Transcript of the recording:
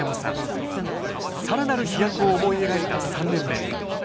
更なる飛躍を思い描いた３年目。